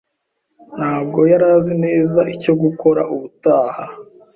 ntabwo yari azi neza icyo gukora ubutaha.